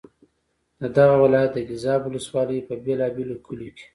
د دغه ولایت د ګیزاب ولسوالۍ په بېلا بېلو کلیو کې.